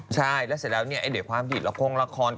ใช่แล้วเสร็จแล้วแด่ความผิดของละคร